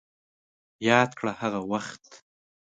ياده کړه هغه وخت